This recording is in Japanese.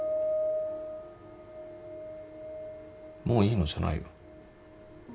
もういいのじゃないよ。